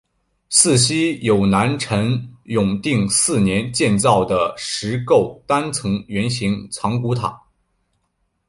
寺西有南陈永定四年建造的石构单层圆形藏骨塔。